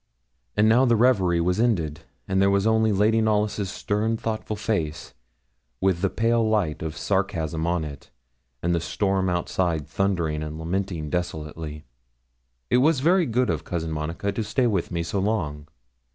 And now the reverie was ended; and there were only Lady Knollys' stern, thoughtful face, with the pale light of sarcasm on it, and the storm outside thundering and lamenting desolately. It was very good of Cousin Monica to stay with me so long.